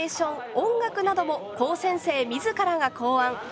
音楽なども高専生自らが考案。